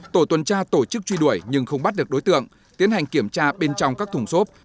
tổ tuần tra tổ chức truy đuổi nhưng không bắt được đối tượng tiến hành kiểm tra bên trong các thùng xốp